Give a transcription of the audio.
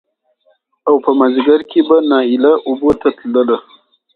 او په مازديګر کې به نايله اوبو ته تله